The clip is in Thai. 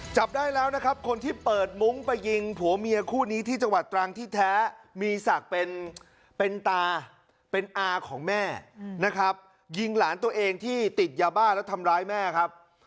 จับได้แล้วนะครับคนที่เปิดมุ้งไปยิงผัวเมียคู่นี้ที่จังหวัดตรังที่แท้มีศักดิ์เป็นตาเป็นอาของแม่นะครับยิงหลานตัวเองที่ติดยาบ้าแล้วทำร้ายแม่ครับ